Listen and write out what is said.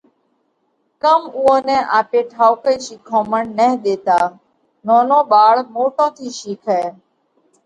ڪم اُوئون نئہ آپي ٺائُوڪئِي شِيکومڻ نه ۮيتا؟ نونو ٻاۯ موٽون ٿِي شِيکئه۔